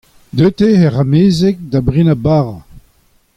Deuet eo hec'h amezeg da brenañ bara.